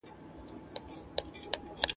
دا تیارې به کله روڼي اوږدې شپې به مي سهار کې !.